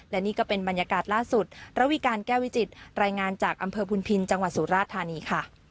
และนี่ก็เป็นบรรยากาศล่าสุดระวิการแก้วิจิตรายงานจากอำเภอพุนพินจังหวัดสุราธานีค่ะ